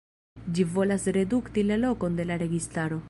Ĝi volas redukti la lokon de la registaro.